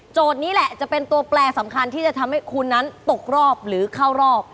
นี้แหละจะเป็นตัวแปลสำคัญที่จะทำให้คุณนั้นตกรอบหรือเข้ารอบ